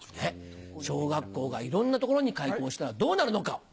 小学校がいろんな所に開校したらどうなるのか。